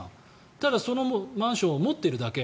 ただ、そのマンションを持っているだけ。